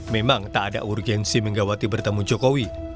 memang tak ada urgensi megawati bertemu jokowi